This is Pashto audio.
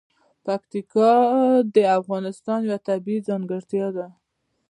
پکتیکا د افغانستان یوه طبیعي ځانګړتیا ده.